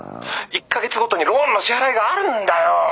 １か月ごとにローンの支払いがあるんだよ。